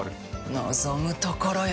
望むところよ。